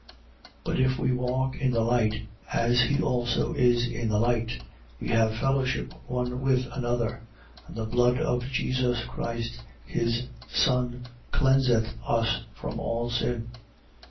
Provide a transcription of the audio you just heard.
1:7. But if we walk in the light, as he also is in the light, we have fellowship one with another: And the blood of Jesus Christ his Son cleanseth us from all sin.